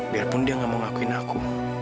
biarpun dia gak mau ngakuin aku